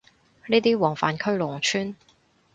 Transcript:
呢啲黃泛區農村